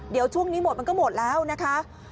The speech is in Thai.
เดี๋ยวช่วงนี้หมดมันก็หมดแล้วนะคะ